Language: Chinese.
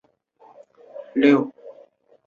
其他城市发展出各自的原始丘神话。